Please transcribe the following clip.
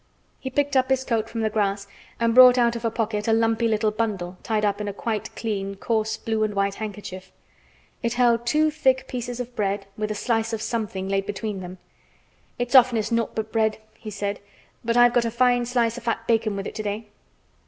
He picked up his coat from the grass and brought out of a pocket a lumpy little bundle tied up in a quite clean, coarse, blue and white handkerchief. It held two thick pieces of bread with a slice of something laid between them. "It's oftenest naught but bread," he said, "but I've got a fine slice o' fat bacon with it today."